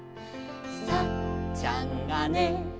「サッちゃんがね」